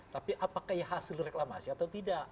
tapi apakah ya hasil reklamasi atau tidak